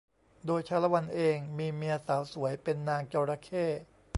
โดยชาละวันเองมีเมียสาวสวยเป็นนางจระเข้